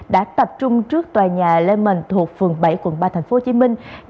đã tập trung trước tòa nhà lê mình thuộc phường bảy quận ba tp hcm